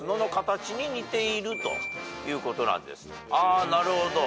あなるほど。